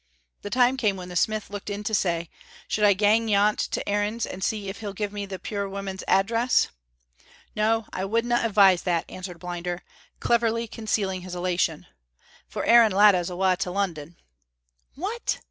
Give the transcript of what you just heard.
The time came when the smith looked in to say, "Should I gang yont to Aaron's and see if he'll give me the puir woman's address?" "No, I wouldna advise that," answered Blinder, cleverly concealing his elation, "for Aaron Latta's awa' to London." "What!